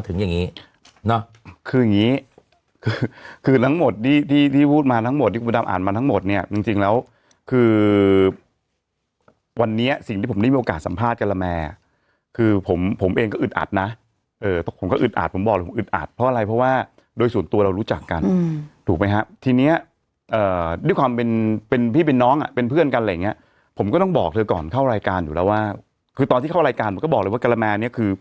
ที่พูดมาทั้งหมดที่กุฎามอ่านมาทั้งหมดเนี่ยจริงแล้วคือวันนี้สิ่งที่ผมได้มีโอกาสสัมภาษณ์การรแมร์คือผมเองก็อึดอัดนะผมก็อึดอัดผมบอกเลยผมอึดอัดเพราะอะไรเพราะว่าโดยส่วนตัวเรารู้จักกันถูกไหมครับทีนี้ด้วยความเป็นพี่เป็นน้องเป็นเพื่อนกันอะไรอย่างนี้ผมก็ต้องบอกเธอก่อนเข้ารายการอยู่แล้วว่าคือตอนที่